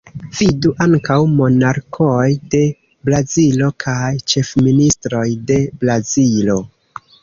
Vidu ankaŭ Monarkoj de Brazilo kaj Ĉefministroj de Brazilo.